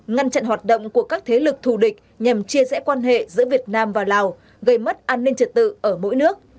ngăn chặn hoạt động của các thế lực thù địch nhằm chia rẽ quan hệ giữa việt nam và lào gây mất an ninh trật tự ở mỗi nước